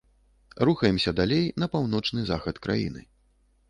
Рухаемся далей на паўночны захад краіны.